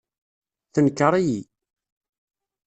Tenker-iyi.